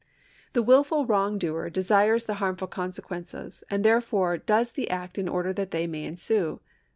The wilfid wrongdoer desires the harmful consequences, and therefore does the act in order that they may ensue.